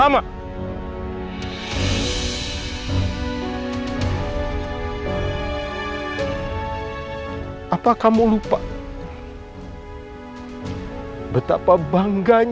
dalam proses penanggalan